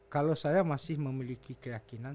kalau saya masih memiliki keyakinan